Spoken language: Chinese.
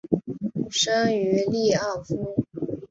生于利沃夫。